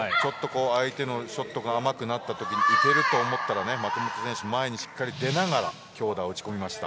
相手のショットが甘くなった時に行けると思ったら松本選手、前に出ながら強打を打ち込みました。